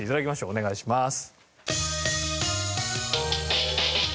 お願いします。